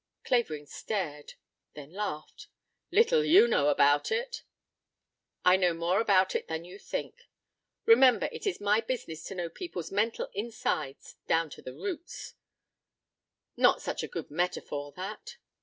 Clavering stared, then laughed. "Little you know about it." "I know more about it than you think. Remember it is my business to know people's mental insides down to the roots " "Not such a good metaphor, that."